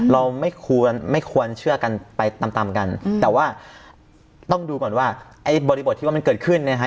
เราไม่ควรไม่ควรเชื่อกันไปตามตามกันแต่ว่าต้องดูก่อนว่าไอ้บริบทที่ว่ามันเกิดขึ้นเนี่ยฮะ